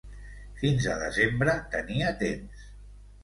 Fins a desembre tenia temps.